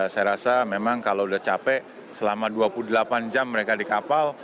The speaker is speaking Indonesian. saya rasa memang kalau sudah capek selama dua puluh delapan jam mereka di kapal